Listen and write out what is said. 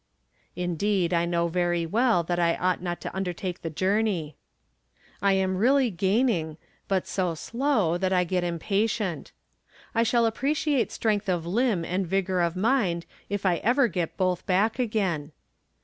Indeed, I know very well that I ought not to undertake the journey. I am really gaining, but so slow that I get impatient. I shall appreciate strength of limb and vigor of mind if I ever get both back again.